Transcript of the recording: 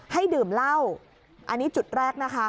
ให้ดื่มเหล้าอันนี้จุดแรกนะคะ